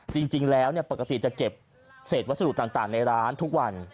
จริงแล้วปกติจะเก็บเศษวัสดุต่างในร้านทุกวัน